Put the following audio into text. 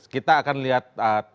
kita akan lihat